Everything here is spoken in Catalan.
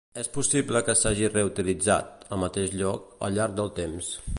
És possible que s'hagi reutilitzat, al mateix lloc, al llarg del temps.